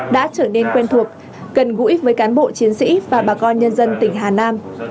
đã trở nên quen thuộc gần gũi với cán bộ chiến sĩ và bà con nhân dân tỉnh hà nam